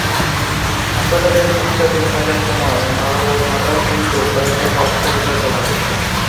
হাসপাতালে চিকিৎসাধীন থাকার সময় মালালার মাথার খুলিতে কয়েক দফা অস্ত্রোপচার করা হয়।